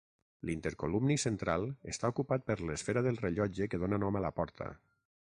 L'intercolumni central està ocupat per l'esfera del rellotge que dóna nom a la porta.